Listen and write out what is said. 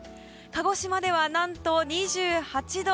鹿児島では何と２８度。